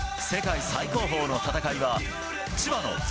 世界最高峰の戦いは、千葉のＺＯＺＯ